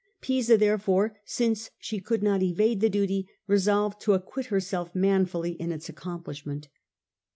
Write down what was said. Pisa, therefore, since she could not evade the duty, resolved to acquit herself manfully in its accomplishment.